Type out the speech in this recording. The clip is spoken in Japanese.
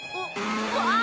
うわっ！